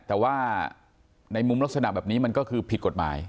แต่ว่าในมุมลักษณะแบบนี้มันก็คือผิดกฎหมาย